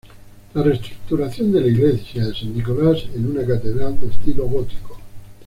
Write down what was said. La reestructuración de la iglesia de San Nicolás en una catedral de estilo gótico.